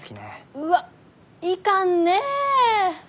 ・うわっいかんねえ！